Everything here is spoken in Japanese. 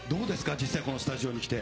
実際このスタジオに来て。